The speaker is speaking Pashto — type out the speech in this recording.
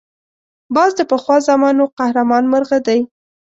باز د پخوا زمانو قهرمان مرغه دی